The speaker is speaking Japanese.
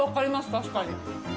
確かに。